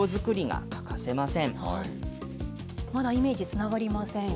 まだイメージつながりません